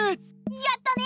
やったね！